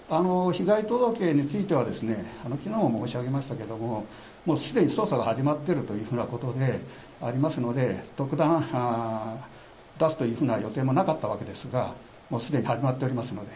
被害届けについては、きのうも申し上げましたけれども、もうすでに捜査が始まっているというふうなことでありますので、特段出すというふうな予定もなかったわけですが、すでに始まっておりますので。